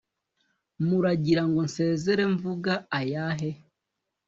muragira ngo nsezere mvuga ayahe